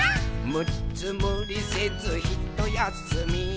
「むっつむりせずひとやすみ」